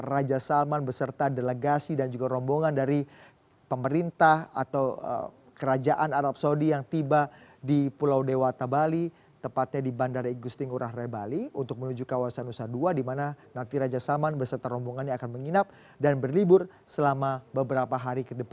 raja salman bin abdul aziz al saud untuk berlibur ke bali